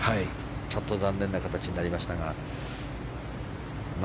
ちょっと残念な形になりましたが。